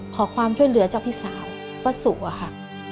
ขอความช่วยเหลือจากพี่สาวป้าสุอะค่ะ